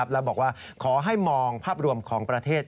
แล้วบอกว่าขอให้มองภาพรวมของประเทศ